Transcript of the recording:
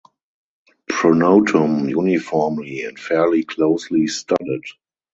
Pronotum uniformly and fairly closely studded.